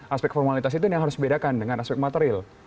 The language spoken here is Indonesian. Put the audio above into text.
aspek formalitas itu yang harus dibedakan dengan aspek material